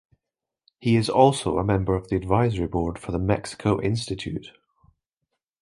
He is also a member of the advisory board for the Mexico Institute.